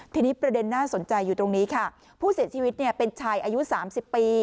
ทีนี้ประเด็นน่าสนใจอยู่ตรงนี้ค่ะผู้เสียชีวิตเนี่ยเป็นชายอายุ๓๐ปี